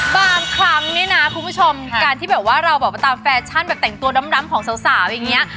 บางครั้งเนี่ยนะคุณผู้ชมการที่แบบว่าเราแบบว่าตามแฟชั่นแบบแต่งตัวดำของสาวอย่างนี้